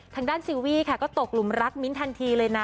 ทางด้านซิลวี่ค่ะก็ตกหลุมรักมิ้นทันทีเลยนะ